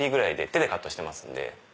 手でカットしてますんで。